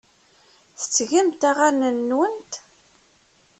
Tettgemt aɣanen-nwent?